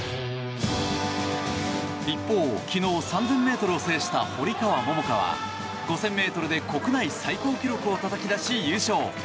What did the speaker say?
一方、昨日３０００ｍを制した堀川桃香は５０００ｍで国内最高記録をたたき出し優勝。